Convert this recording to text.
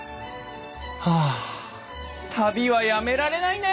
はあ旅はやめられないね！